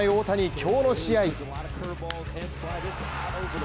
今日の試合。